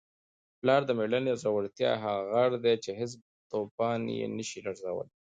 پلار د مېړانې او زړورتیا هغه غر دی چي هیڅ توپان یې نسي لړزولی.